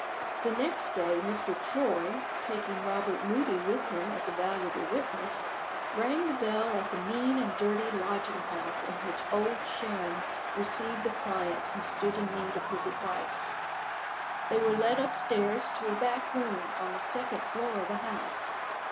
THE next day, Mr. Troy (taking Robert Moody with him as a valuable witness) rang the bell at the mean and dirty lodging house in which Old Sharon received the clients who stood in need of his advice. They were led up stairs to a back room on the second floor of the house.